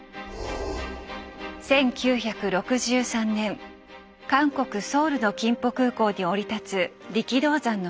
１９６３年韓国ソウルの金浦空港に降り立つ力道山の姿。